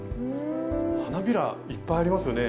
花びらいっぱいありますよね